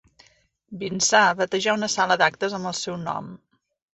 Vinçà batejà una sala d'actes amb el seu nom.